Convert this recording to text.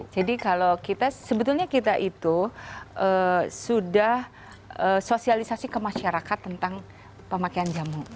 jadi kalau kita sebetulnya kita itu sudah sosialisasi ke masyarakat tentang pemakaian jamu